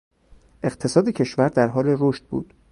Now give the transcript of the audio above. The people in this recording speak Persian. اقتصاد کشور در حال رشد بود.